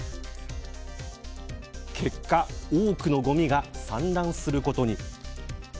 結果、多くのごみが散乱することに。